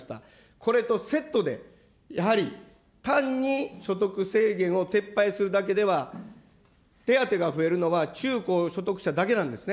これとセットで、やはり単に所得制限を撤廃するだけでは、手当が増えるのは中高所得者だけなんですね。